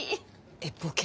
えっボケ？